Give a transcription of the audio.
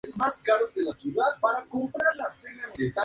Participa además en el Primer Salón de Escultura de Murcia.